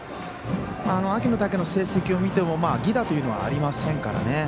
秋の大会の成績を見ても犠打というのはありませんからね。